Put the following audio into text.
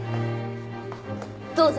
どうぞ！